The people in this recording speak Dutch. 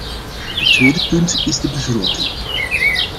Het tweede punt is de begroting.